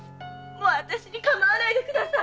もうあたしにかまわないでください。